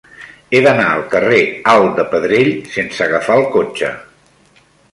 He d'anar al carrer Alt de Pedrell sense agafar el cotxe.